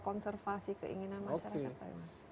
konservasi keinginan masyarakat oke